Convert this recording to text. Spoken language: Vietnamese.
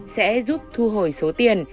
sẽ giúp thu hồi số tiền